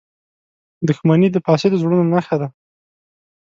• دښمني د فاسدو زړونو نښه ده.